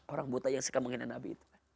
orang buta yang suka menghina nabi itu